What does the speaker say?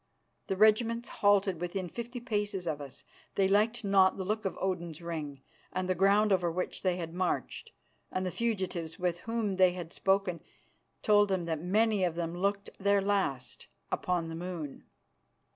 The regiments halted within fifty paces of us. They liked not the look of Odin's Ring, and the ground over which they had marched and the fugitives with whom they had spoken told them that many of them looked their last upon the moon.